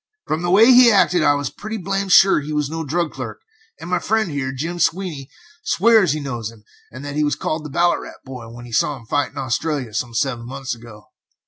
From the way he acted I was pretty blamed sure he was no drug clerk and my friend here, Jim Sweeney, swears he knows him, and that he was called the 'Ballarat Boy' when he saw him fight in Australia, some seven months ago.